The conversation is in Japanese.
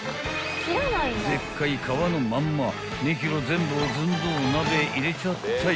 ［でっかい皮のまんま２ｋｇ全部を寸胴鍋へ入れちゃったい］